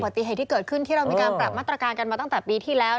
ติเหตุที่เกิดขึ้นที่เรามีการปรับมาตรการกันมาตั้งแต่ปีที่แล้ว